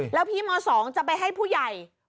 แล้วพี่ม๒จะไปให้ผู้ใหญ่